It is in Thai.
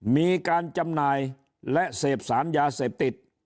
มีการจำหน่ายและเสพสารยาเสพติด